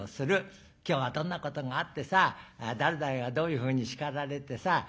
「今日はどんなことがあってさ誰々がどういうふうに叱られてさ